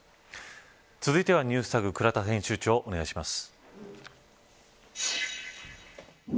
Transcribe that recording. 続いてはＮｅｗｓＴａｇ倉田編集長、お願いします。